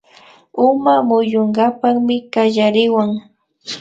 Uma muyunkapakmi kallariwan